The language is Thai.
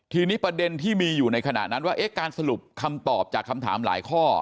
ทีนี้ประเด็นที่มีอยู่ในขณะนั้นว่าการสรุปคำตอบจากคำถามหลายข้อ